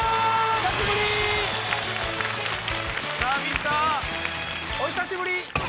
久々お久しぶり